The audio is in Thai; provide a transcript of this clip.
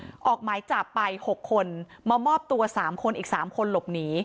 ออกหมายจับไป๖คนมามอบตัว๓คนอีก๓คนหลบหนี